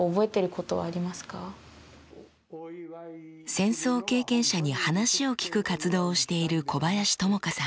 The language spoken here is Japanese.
戦争経験者に話を聞く活動をしている小林友香さん。